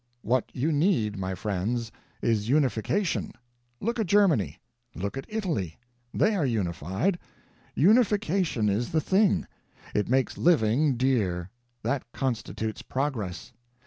"What you need, my friends, is unification. Look at Germany; look at Italy. They are unified. Unification is the thing. It makes living dear. That constitutes progress.